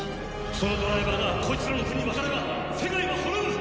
そのドライバーがこいつらの手に渡れば世界は滅ぶ！